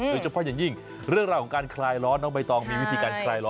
ในประเทศไทยเข้ายร้อนกันแบบไหนครับ